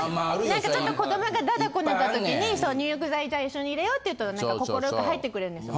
ちょっと子どもが駄々こねた時に入浴剤じゃあ一緒に入れようって言うと快く入ってくれるんですよ。